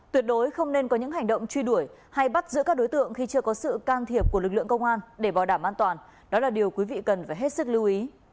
tuyệt đối không nên có những hành động truy đuổi hay bắt giữ các đối tượng khi chưa có sự can thiệp của lực lượng công an để bảo đảm an toàn đó là điều quý vị cần phải hết sức lưu ý